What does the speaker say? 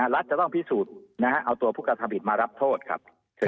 รัฐจะต้องพิสูจน์เอาตัวผู้กระทำผิดมารับโทษครับ